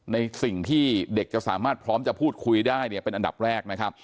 ในสิ่งที่เด็กจะสามารถพร้อมจะพูดคุยได้เนี่ยเป็นอันดับแรกนะครับ